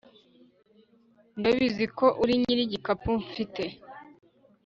ndabizi ko uri nyirigikapu mfite